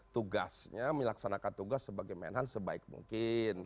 tugasnya melaksanakan tugas sebagai men han sebaik mungkin